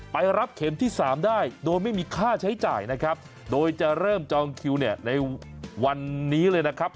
รับเข็มที่สามได้โดยไม่มีค่าใช้จ่ายนะครับโดยจะเริ่มจองคิวเนี่ยในวันนี้เลยนะครับ